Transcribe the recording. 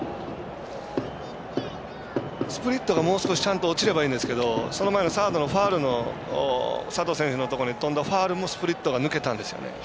スプリットがもう少しちゃんと落ちればいいんですけどその前の佐藤選手のところに飛んだファウルもスプリットが抜けたんですよね。